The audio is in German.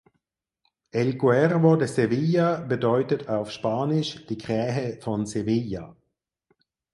El Cuervo de Sevilla bedeutet auf Spanisch "Die Krähe von Sevilla".